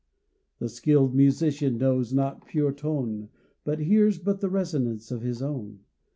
The skilled musician knows not pure tone; He hears but the resonance of his own.